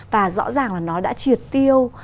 và rõ ràng là nó đã triệt tiêu